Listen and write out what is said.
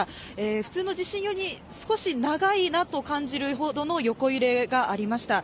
普通の地震より少し長いなと感じるほどの横揺れがありました。